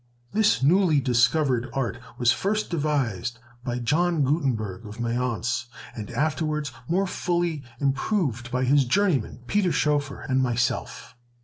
This newly discovered art was first devised by John Gutenberg of Mayence, and afterwards more fully improved by his journeyman, Peter Schoeffer, and myself.